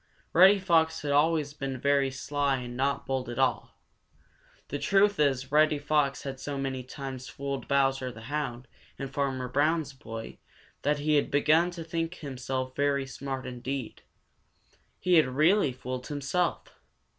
Reddy Fox had always been very sly and not bold at all. The truth is Reddy Fox had so many times fooled Bowser the Hound and Farmer Brown's boy that he had begun to think himself very smart indeed. He had really fooled himself.